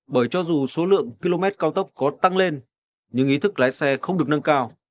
bởi cho dù số lượng km cao tốc có tăng lên nhưng ý thức lái xe không được nâng cao